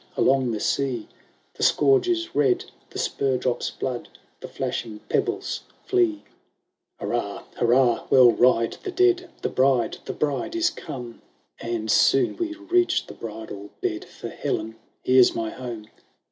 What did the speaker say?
along the sea; The scourge is red. the spur drops blood, The flashing pebbles flee. 716 WILLIAM AND HELEN. " Hurrah ! hurrah ! well ride the dead ; The bride, the bride is come ! And soon we reach the bridal bed, Tor, Helen, here's my home."